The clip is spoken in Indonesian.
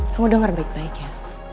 kamu dengar baik baik ya